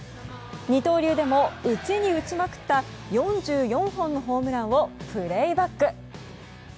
二刀流でも打ちに打ちまくった４４本のホームランをプレイバック！